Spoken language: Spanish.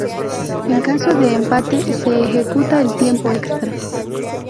En caso de empate, se ejecuta el tiempo extra.